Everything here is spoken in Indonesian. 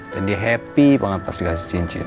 dan dia happy banget pas dikasih cincin